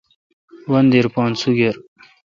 وندیر پان سگِر۔